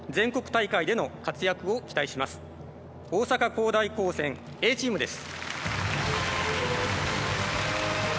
大阪公大高専Ａチームです。